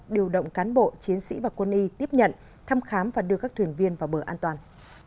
điều động cán bộ chiến sĩ và quân y tiếp nhận thăm khám và đưa các thuyền viên vào bờ an toàn